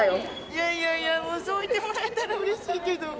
いやいやいや、もうそう言ってもらえたらうれしいけど。